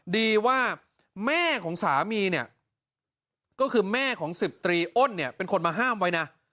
ดีว่าแม่ของสามีเนี่ยก็คือแม่ของ๑๐ตรีอ้นเนี่ยเป็นคนมาห้ามไว้นะ